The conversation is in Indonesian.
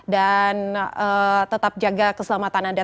dan tetap jaga keselamatan anda